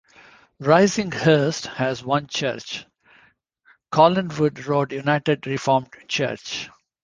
Risinghurst has one church: Collinwood Road United Reformed Church.